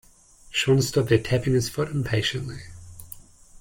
Sean stood there tapping his foot impatiently.